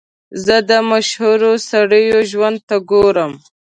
زه د مشهورو سړیو ژوند ته ګورم.